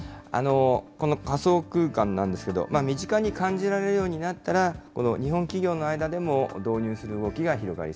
この仮想空間なんですけど、身近に感じられるようになったら、この日本企業の間でも導入する動き